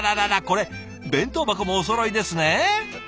これ弁当箱もおそろいですね。